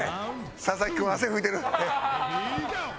佐々木君汗拭いてる。